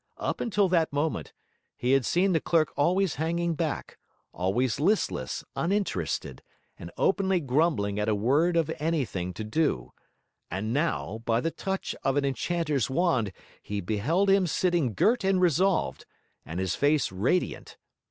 Until that moment, he had seen the clerk always hanging back, always listless, uninterested, and openly grumbling at a word of anything to do; and now, by the touch of an enchanter's wand, he beheld him sitting girt and resolved, and his face radiant.